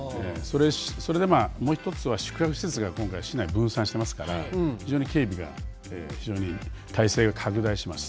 それでまあもう一つは宿泊施設が今回市内分散してますから非常に警備が態勢が拡大します。